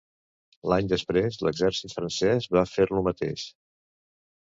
L'any després, l'exèrcit francès va fer-lo mateix.